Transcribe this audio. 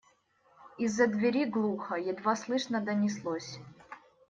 И из-за двери глухо, едва слышно донеслось: